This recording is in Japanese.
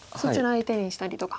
相手にしたりとか。